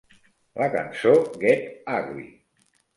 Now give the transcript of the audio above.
La cançó Get Ugly!